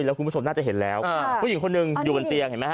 แล้วคุณผู้ชมน่าจะเห็นแล้วผู้หญิงคนหนึ่งอยู่บนเตียงเห็นไหมฮ